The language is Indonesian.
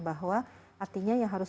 bahwa artinya yang harus